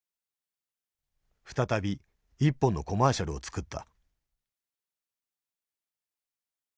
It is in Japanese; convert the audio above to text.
再び１本のコマーシャルを作った。